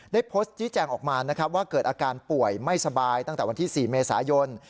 ได้โพสต์ชี้แจงออกมานะครับว่าเกิดอาการป่วยไม่สบายตั้งแต่วันที่๔เมษายน